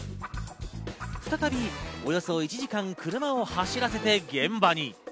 再びおよそ１時間、車を走らせて現場に。